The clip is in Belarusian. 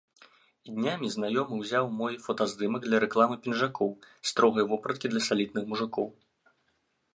Днямі знаёмы ўзяў мой фотаздымак для рэкламы пінжакоў, строгай вопраткі для салідных мужыкоў.